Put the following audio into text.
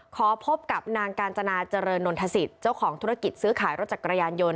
ขอพบกับนางกาญจนาเจริญนนทศิษย์เจ้าของธุรกิจซื้อขายรถจักรยานยนต